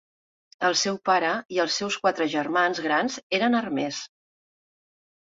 El seu pare i els seus quatre germans grans eren armers.